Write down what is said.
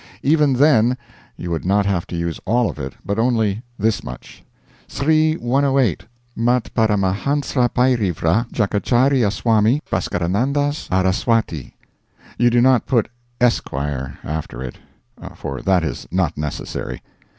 Even then you would not have to use all of it, but only this much: Sri 108 Matparamahansrzpairivrajakacharyaswamibhaskaranandasaraswati. You do not put "Esq." after it, for that is not necessary.